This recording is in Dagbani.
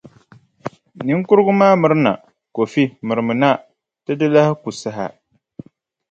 Niŋkurugu maa mirina. Kofi mirimina, ti di lahi ku saha.